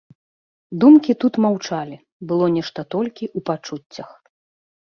Думкі тут маўчалі, было нешта толькі ў пачуццях.